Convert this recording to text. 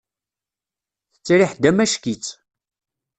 Tettriḥ-d amack-itt.